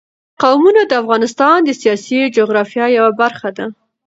قومونه د افغانستان د سیاسي جغرافیه یوه برخه ده.